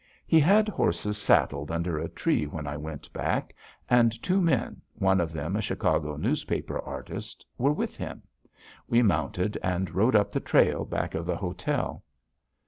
He had horses saddled under a tree when I went back, and two men, one of them a Chicago newspaper artist, were with him. We mounted and rode up the trail back of the hotel.